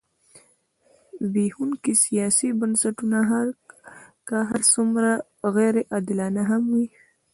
زبېښونکي سیاسي بنسټونه که هر څومره غیر عادلانه هم وي.